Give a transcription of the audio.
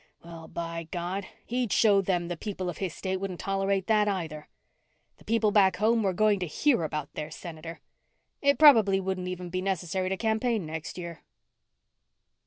Well, by God, he'd show them the people of his state wouldn't tolerate that, either. The people back home were going to hear about their Senator. It probably wouldn't even be necessary to campaign next year.